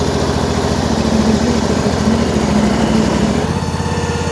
وزې په کوچنیو رمو کې ګرځي